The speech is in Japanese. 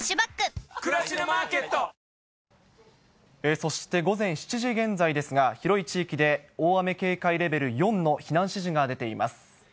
そして、午前７時現在ですが、広い地域で大雨警戒レベル４の避難指示が出ています。